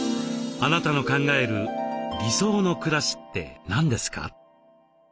あなたの考える「理想の暮らし」って何ですか？